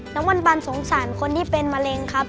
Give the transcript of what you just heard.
วันบันสงสารคนที่เป็นมะเร็งครับ